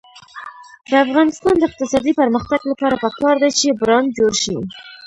د افغانستان د اقتصادي پرمختګ لپاره پکار ده چې برانډ جوړ شي.